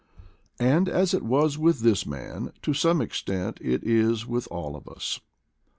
And as it was with this man, so, to some extent, it is with all of us.